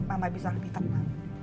mama bisa lebih tebal